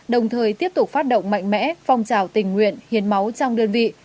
đồng thời tiếp tục phát động mạnh mẽ phong trào tình nguyện hiến máu trong đơn vị